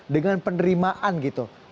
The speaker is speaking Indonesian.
dengan penerimaan gitu